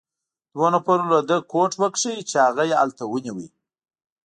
دوو نفر له ده کوټ وکیښ، چې هغه يې هلته ونیو.